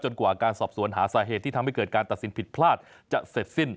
กว่าการสอบสวนหาสาเหตุที่ทำให้เกิดการตัดสินผิดพลาดจะเสร็จสิ้น